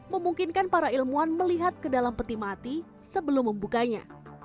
memungkinkan para ilmuwan melihat ke dalam peti mati sebelum membukanya